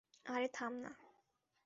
আরে থাম না।